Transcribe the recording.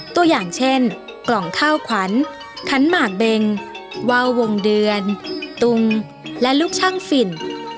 ตัวอย่างเช่นกล่องข้าวขวัญขันหมากเบงว่าววงเดือนตุงและลูกช่างฝิ่น